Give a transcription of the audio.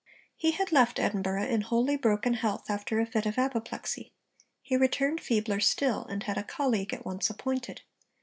He had left Edinburgh in wholly broken health, after a fit of apoplexy: he returned feebler still, and had a colleague at once appointed.